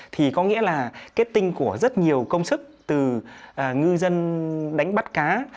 thì có nghĩa là kết tinh của rất nhiều công sức từ ngư dân đánh bắt cá